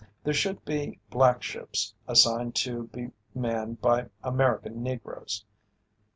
"There should be 'black ships' assigned to be manned by American Negroes.